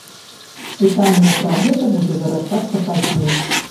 Пытанне пра гэта будзе вырашацца пазней.